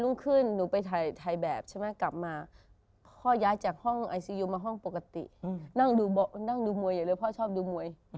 ลุงขึ้นนูไปถ่ายหน่อยแบบใช่ไหมกลับมาพ่อย้ายจากของไอซียูมาห้องปกตินั้นดูบุเปาะนั่งดูมวยหรือพ่อชอบดูมวย